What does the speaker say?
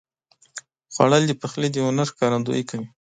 خوړل د پخلي د هنر ښکارندویي کوي